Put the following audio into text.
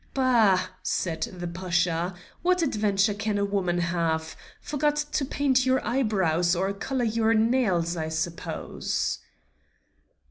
"Bah!" said the Pasha; "what adventure can a woman have forgot to paint your eyebrows or color your nails, I suppose."